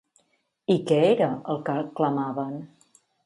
I què era el que clamaven?